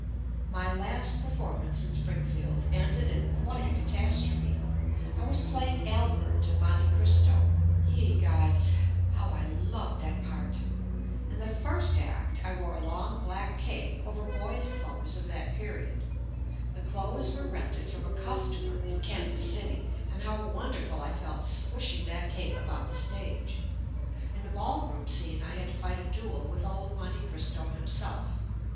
My last performance in Springfield ended in quite a catastrophe. I was playing Albert in JUST ME "Monte Cristo." Ye gods! How I loved that part. In the first act I wore a long black cape over boy's clothes of that period. The clothes were rented from a costumer in Kansas City, and how wonderful I felt swishing that cape about the stage. In the ballroom scene I had to fight a duel with old Monte Cristo himself.